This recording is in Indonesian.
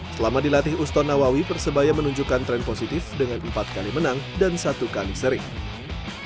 selama dilatih uston nawawi persebaya menunjukkan tren positif dengan empat kali menang dan satu kali sering